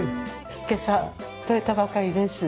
今朝取れたばかりです。